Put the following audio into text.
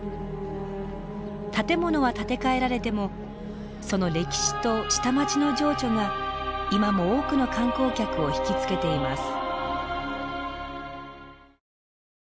建物は建て替えられてもその歴史と下町の情緒が今も多くの観光客を引き付けています。